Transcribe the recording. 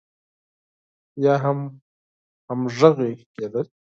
يا هم همغږي کېدل.